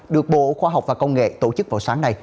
được bộ khoa học và công nghệ tổ chức vào sáng nay